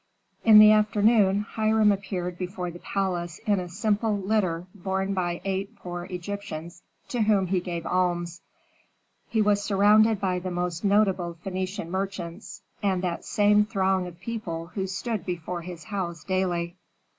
In the afternoon Hiram appeared before the palace in a simple litter borne by eight poor Egyptians to whom he gave alms. He was surrounded by the most notable Phœnician merchants, and that same throng of people who stood before his house daily.